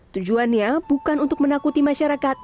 tujuannya bukan untuk menakuti masyarakat